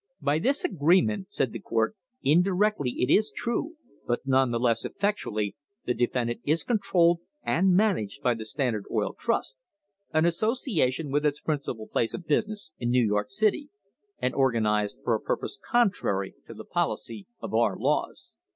"By this agreement," said the court, "indi rectly, it is true, but none the less effectually, the defendant is controlled and managed by the Standard Oil Trust, an association with its principal place of business in New York City, and organised for a purpose contrary to the policy of our laws.